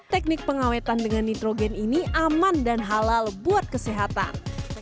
teknik pengawetan dengan nitrogen ini aman dan halal buat kesehatan